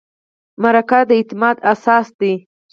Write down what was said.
مرکه د اعتماد اساس دی.